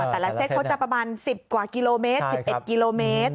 แต่ละเซตเขาจะประมาณ๑๐กว่ากิโลเมตร๑๑กิโลเมตร